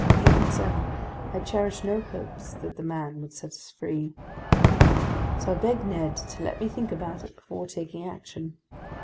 Even so, I cherished no hopes that the man would set us free. So I begged Ned to let me think about it before taking action.